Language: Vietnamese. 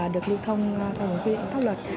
được lưu thông theo những quy định pháp luật